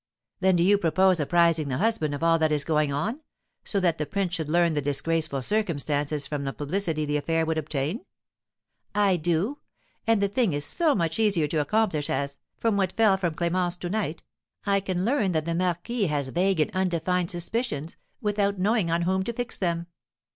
"Then do you propose apprising the husband of all that is going on, so that the prince should learn the disgraceful circumstances from the publicity the affair would obtain?" "I do. And the thing is so much the easier to accomplish as, from what fell from Clémence to night, I can learn that the marquis has vague and undefined suspicions, without knowing on whom to fix them.